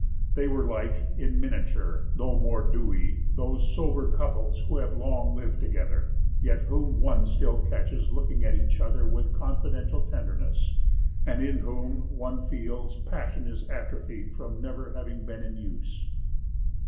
They were like, in miniature — though more dewy,—those sober couples who have long lived together, yet whom one still catches looking at each other with confidential tenderness, and in whom, one feels, passion is atrophied from never having been in use.